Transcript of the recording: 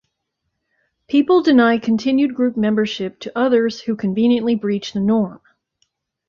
People deny continued group membership to others who conveniently breach the norm.